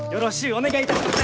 お願いいたします！